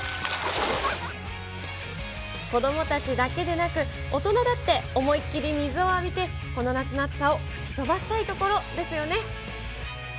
子どもたちだけでなく、大人だって思いっ切り水を浴びて、この夏の暑さを吹き飛ばしたいところですよね。